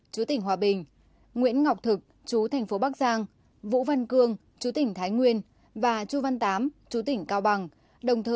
chú tỉnh cao bằng trần thị nhâm chú tỉnh lãng sơn